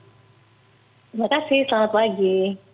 terima kasih selamat pagi